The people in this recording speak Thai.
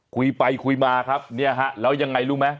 คุยไปคุยมาครับเนี่ยฮะแล้วยังไงรู้ไหม